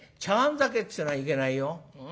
酒ってのはいけないよ。